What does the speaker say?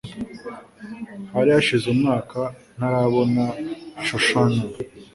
Hari hashize umwaka ntarabona Shoshannah.